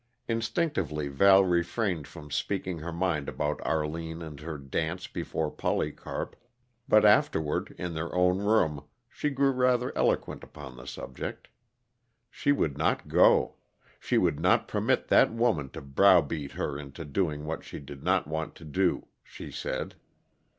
Instinctively Val refrained from speaking her mind about Arline and her dance before Polycarp, but afterward, in their own room, she grew rather eloquent upon the subject. She would not go. She would not permit that woman to browbeat her into doing what she did not want to do, she said.